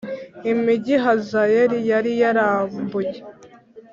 Imigi hazayeli yari yarambuye